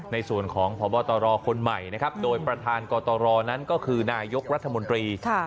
ในส่วนของพบตรคนใหม่นะครับโดยประธานกตรนั้นก็คือนายกรัฐมนตรี